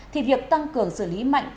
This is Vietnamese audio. thì việc tăng cường xử lý mạnh tay nhỏ